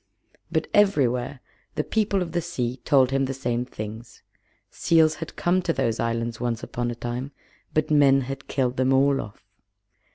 But everywhere the People of the Sea told him the same things. Seals had come to those islands once upon a time, but men had killed them all off.